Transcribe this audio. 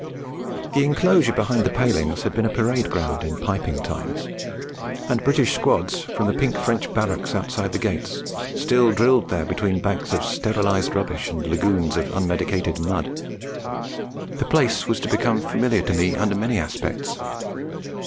The enclosure behind the palings had been a parade ground in piping times; and British squads, from the pink French barracks outside the gates, still drilled there between banks of sterilised rubbish and lagoons of unmedicated mud. The place was to become familiar to me under many aspects.